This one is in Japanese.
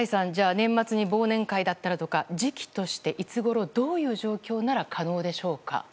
年末に忘年会だったらとか時期としていつごろ、どういう状況なら可能でしょうか？